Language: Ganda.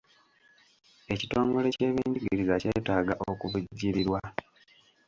Ekitongole ky'ebyenjigiriza kyetaaga okuvujjirirwa.